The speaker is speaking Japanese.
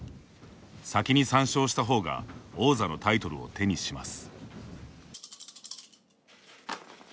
先に３勝した方が王座のタイトルを手にします。